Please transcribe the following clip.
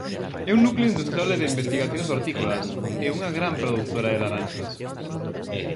É un núcleo industrial e de investigacións hortícolas, e unha gran produtora de laranxas.